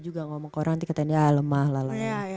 juga ngomong ke orang nanti katanya lemah lah